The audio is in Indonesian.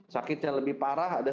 sakit yang lebih parah ada